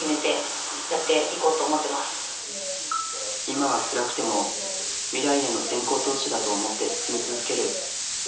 今はつらくても未来への先行投資だと思って進み続ける。